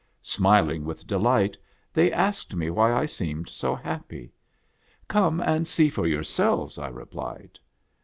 Smiling with delight, they asked me why I seemed so happy. " Come and see for yourselves," I replied.